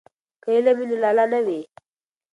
که علم وي نو لاله نه وي.